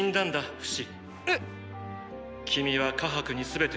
フシ。